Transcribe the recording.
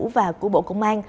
và của bộ công an